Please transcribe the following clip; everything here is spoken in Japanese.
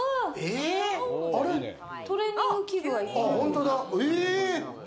トレーニング器具がいっぱいある。